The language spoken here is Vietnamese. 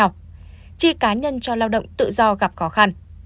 đợt ba chi cá nhân cho lao động tự do gặp khó khăn